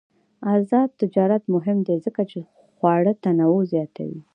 آزاد تجارت مهم دی ځکه چې خواړه تنوع زیاتوي.